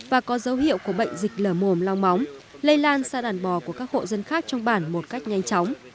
và có dấu hiệu của bệnh dịch lờ mồm long móng lây lan sang đàn bò của các hộ dân khác trong bản một cách nhanh chóng